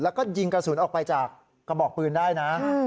แล้วก็ยิงกระสุนออกไปจากกระบอกปืนได้นะ